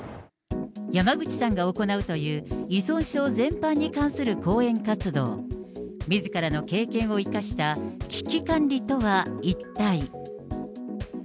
山口さんが行うという、依存症全般に関する講演活動、みずからの経験を生かした危機管理とは一体。